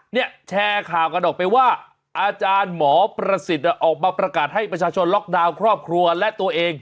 เนี่ยแชร์ข่าวกันออกไปว่าอาจารย์หมอประสิทธิ์ออกมาประกาศให้ประชาชนล็อกดาวน์ครอบครัวและตัวเอง